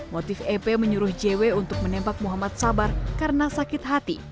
motif ep menyuruh jw untuk menembak muhammad sabar karena sakit hati